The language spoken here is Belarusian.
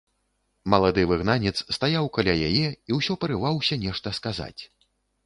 Малады выгнанец стаяў каля яе і ўсё парываўся нешта сказаць.